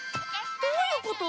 どういうこと？